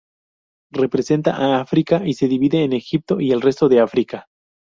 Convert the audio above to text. Representa a África, y se divide en Egipto y el resto de África.